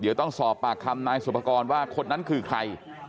เดี๋ยวต้องสอบปากคำนายสุภกรว่าคนนั้นคือใคร